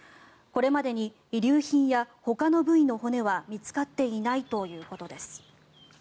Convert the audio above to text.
これまでに遺留品やほかの部位の骨は見つかっていないということです。